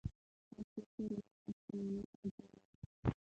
او فکري ساختمان او جوړښت